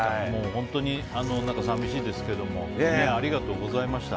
本当に寂しいですけどありがとうございました。